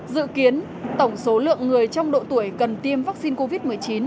dự kiến tổng số lượng người trong độ tuổi cần tiêm vaccine covid một mươi chín